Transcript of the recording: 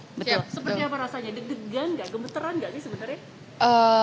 betul seperti apa rasanya deg degan gak gemeteran gak sih sebenarnya